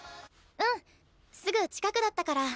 うんすぐ近くだったから。